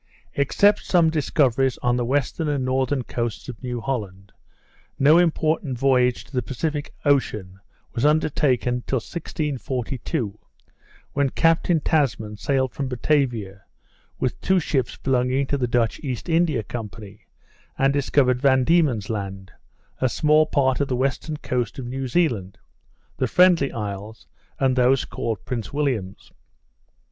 Except some discoveries on the western and northern coasts of New Holland, no important voyage to the Pacific Ocean was undertaken till 1642, when Captain Tasman sailed from Batavia, with two ships belonging to the Dutch East India Company, and discovered Van Diemen's Land; a small part of the western coast of New Zealand; the Friendly Isles; and those called Prince William's.